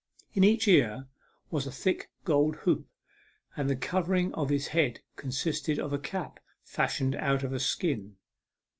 In each ear was a thick gold hoop, and the covering of his head consisted of a cap fashioned out of a skin.